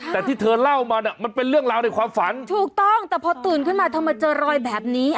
แต่ที่เธอเล่ามาเนี่ยมันเป็นเรื่องราวในความฝันถูกต้องแต่พอตื่นขึ้นมาเธอมาเจอรอยแบบนี้